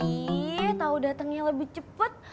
iyy tahu datangnya lebih cepet